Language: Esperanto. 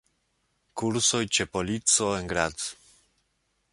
Kursoj ĉe polico en Graz.